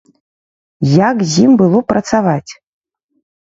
Як з ім было працаваць?